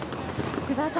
福澤さん